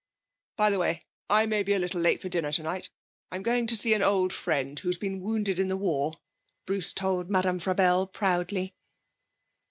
'By the way, I may be a little late for dinner tonight. I'm going to see an old friend who's been wounded in the war,' Bruce told Madame Frabelle proudly.